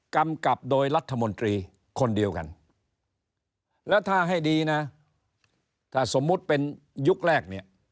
กำกับโดยรัฐมนตรีคนเดียวกันแล้วถ้าให้ดีนะถ้าสมมุติเป็นยุคแรกเนี่ย